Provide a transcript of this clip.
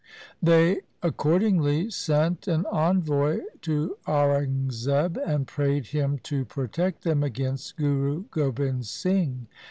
They accordingly sent an envoy to Aurangzeb, and prayed him to protect them against Guru Gobind Singh.